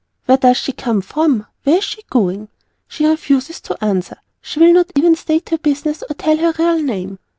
Where does she come from? Where is she going? She refuses to answer, she will not even state her business or tell her real name.